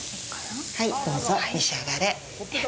はい、どうぞ、召し上がれ。